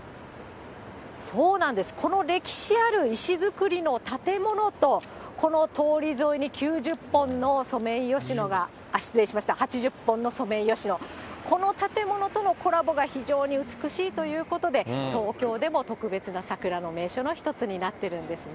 そうなんです、この歴史ある石造りの建物と、この通り沿いに９０本のソメイヨシノが、あっ、失礼しました、８０本のソメイヨシノ、この建物とのコラボが非常に美しいということで、東京でも特別な桜の名所の一つになってるんですね。